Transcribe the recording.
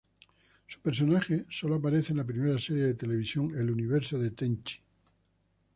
Su personaje solo aparece en la primera serie de televisión "El Universo de Tenchi".